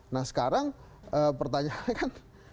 nah sekarang pertanyaannya kan